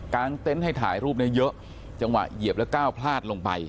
งเต็นต์ให้ถ่ายรูปเนี่ยเยอะจังหวะเหยียบแล้วก้าวพลาดลงไป